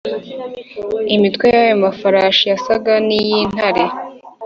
Imitwe y’ayo mafarashi yasaga n’iy’intare,